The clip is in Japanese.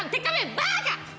バカ！